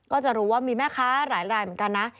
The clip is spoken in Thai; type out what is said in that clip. ก็จะรู้ว่ามีแม่ค้าหลายเหมือนกันนะ